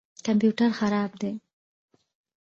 کمپیوټر خراب دی